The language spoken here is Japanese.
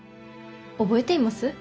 覚えています？